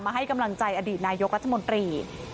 ให้กำลังใจอดีตนายกรัฐมนตรี